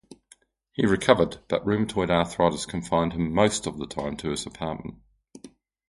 He recovered, but rheumatoid arthritis confined him most of the time to his apartment.